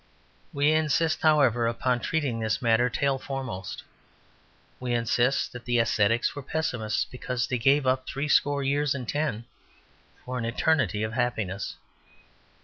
We insist, however, upon treating this matter tail foremost. We insist that the ascetics were pessimists because they gave up threescore years and ten for an eternity of happiness.